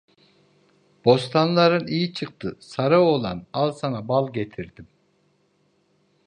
Bostanların iyi çıktı, sarı oğlan, al sana bal getirdim!